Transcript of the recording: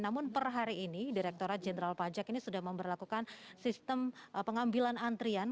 namun per hari ini direkturat jenderal pajak ini sudah memperlakukan sistem pengambilan antrian